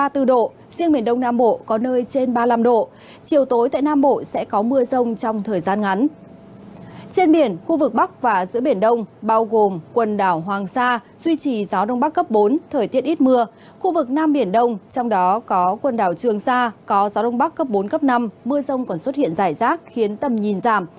trong đó có quần đảo trường sa có gió đông bắc cấp bốn cấp năm mưa rông còn xuất hiện dài rác khiến tầm nhìn giảm